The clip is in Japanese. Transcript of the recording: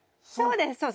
そうです。